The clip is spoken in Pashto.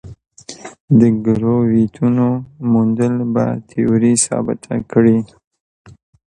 د ګرویټونو موندل به تیوري ثابته کړي.